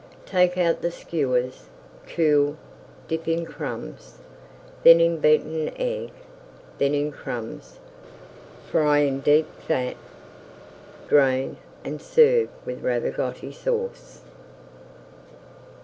Take out the skewers, cool, dip in crumbs, then in beaten egg, then in crumbs, fry in deep fat, drain, and serve with Ravigote Sauce.